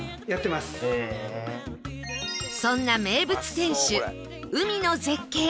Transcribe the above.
そんな名物店主海の絶景